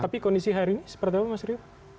tapi kondisi hari ini seperti apa mas rio